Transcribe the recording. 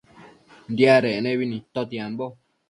Diadec nebi nidtotiambo